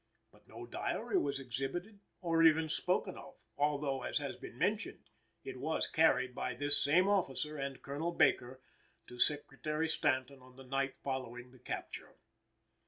But no diary was exhibited or even spoken of, although, as has been mentioned, it was carried by this same officer and Colonel Baker to Secretary Stanton on the night following the capture.